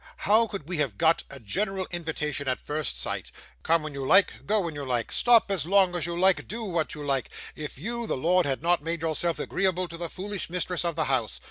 How could we have got a general invitation at first sight come when you like, go when you like, stop as long as you like, do what you like if you, the lord, had not made yourself agreeable to the foolish mistress of the house?